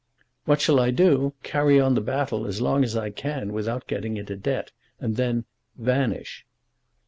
"What shall I do? Carry on the battle as long as I can without getting into debt, and then vanish."